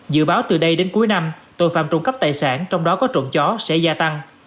dự báo từ đây đến cuối năm tội phạm trộm cắp tài sản trong đó có trộm chó sẽ gia tăng